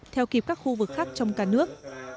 theo kịp các khu vực khác trong cả nước